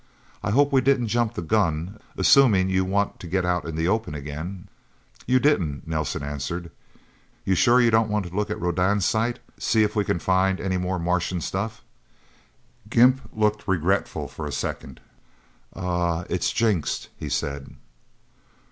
I hope we didn't jump the gun, assuming you want to get out into the open again, too?" "You didn't," Nelsen answered. "You sure you don't want to look at Rodan's site see if we can find any more Martian stuff?" Gimp looked regretful for a second. "Uh uh it's jinxed," he said.